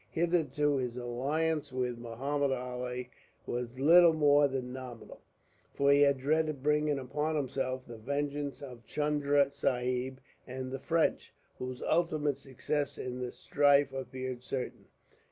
Hitherto, his alliance with Muhammud Ali was little more than nominal, for he had dreaded bringing upon himself the vengeance of Chunda Sahib and the French, whose ultimate success in the strife appeared certain.